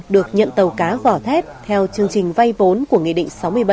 được nhận tàu cá vỏ thép theo chương trình vay vốn của nghị định sáu mươi bảy